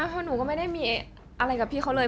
เพราะหนูก็ไม่ได้มีอะไรกับพี่เขาเลย